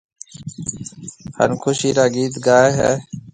هانَ خُوشِي را گِيت گائي هيَ۔